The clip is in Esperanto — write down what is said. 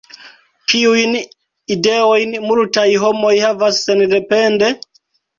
Kiujn ideojn multaj homoj havas sendepende?